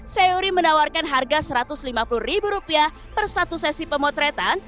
seori menawarkan harga rp satu ratus lima puluh per satu sesi pemotretan